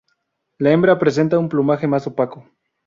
La hembra presenta un plumaje más opaco.